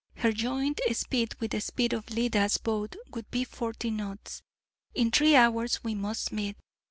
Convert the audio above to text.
Her joint speed with the speed of Leda's boat would be forty knots: in three hours we must meet.